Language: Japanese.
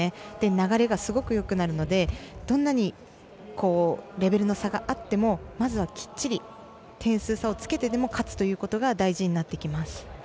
流れが、すごくよくなるのでどんなにレベルの差があってもまずはきっちり点数差をつけてでも勝つということが大事になってきます。